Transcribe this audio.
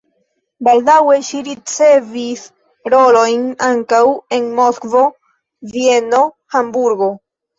Baldaŭe ŝi ricevis rolojn ankaŭ en Moskvo, Vieno, Hamburgo.